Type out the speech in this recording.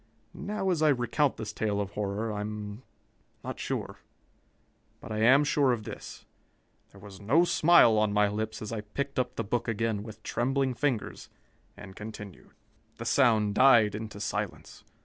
Now, as I recount this tale of horror, I am not sure. But I am sure of this: There was no smile on my lips as I picked up the book again with trembling fingers and continued. "The sound died into silence.